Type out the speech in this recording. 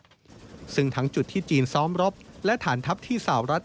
ซึ่งทั้งจุดที่จีนซ้อมรบและฐานทัพที่สาวรัฐ